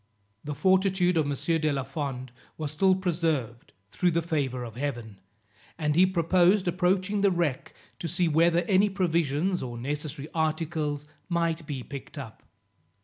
The fortitude of M. de la Fond was still preserved, through the favour of Heaven, and he proposed approaching the wreck, to see whether any provisions or necessary articles might be picked up.